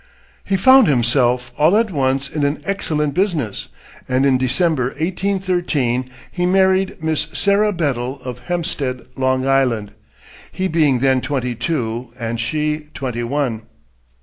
He found himself all at once in an excellent business, and in December, 1813, he married Miss Sarah Bedel of Hempstead, Long Island; he being then twenty two and she twenty one.